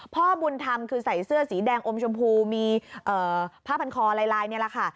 พ่อบุญธรรมคือใส่เสื้อสีแดงอมชมพูมีผ้าพันคอลายนี่แหละค่ะ